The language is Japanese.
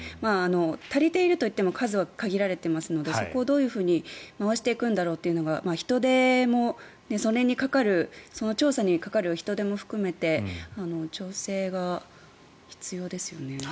足りているといっても数は限られていますのでそこはどういうふうに回していくんだろうという人手にかかる調査も含めて調整が必要ですよね。